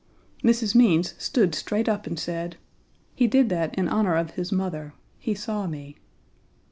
Mrs. Means stood straight up and said: "He did that in honor of his mother; he saw me."